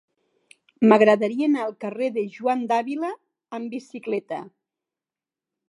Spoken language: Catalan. M'agradaria anar al carrer de Juan de Ávila amb bicicleta.